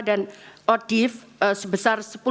dan oddif sebesar itu